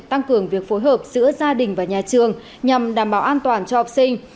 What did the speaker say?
tăng cường việc phối hợp giữa gia đình và nhà trường nhằm đảm bảo an toàn cho học sinh